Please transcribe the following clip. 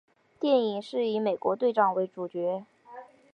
电影是以美国队长为主角。